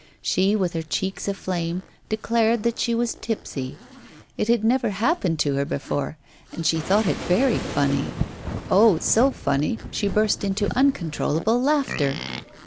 She, with her cheeks aflame, declared that she was tipsy; it had never happened to her before, and she thought it very funny. Oh! so funny, and she burst into uncontrollable laughter.